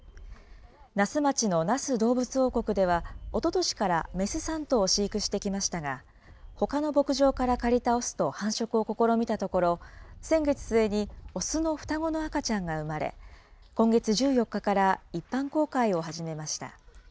那須町の那須どうぶつ王国では、おととしから雌３頭を飼育してきましたが、ほかの牧場から借りた雄と繁殖を試みたところ、先月末に雄の双子の赤ちゃんが生まれ、今月１４日から一般公開を始めました。